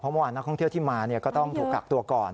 เมื่อวานนักท่องเที่ยวที่มาก็ต้องถูกกักตัวก่อน